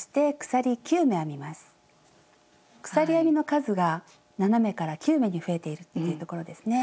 鎖編みの数が７目から９目に増えているっていうところですね。